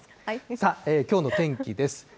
さあ、きょうの天気です。